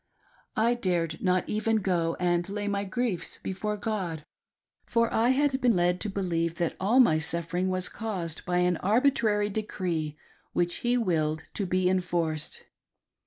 I dared not even go and lay my griefs before God, for I had been led to believe that all my suffering was caused by an arbitrary decree which He willed to be enforced.